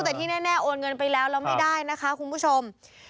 แต่ที่แน่นแน่โอนเงินไปแล้วไม่ได้นะคุณผู้ชม